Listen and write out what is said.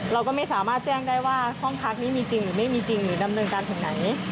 เราก็ไม่สามารถแจ้งได้ว่าห้องพักนี้มีจริงหรือไม่มีจริงหรือดำเนินการถึงไหน